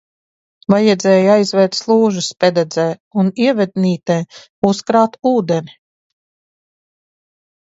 Vajadzēja aizvērt slūžas Pededzē un Ievednītē, uzkrāt ūdeni.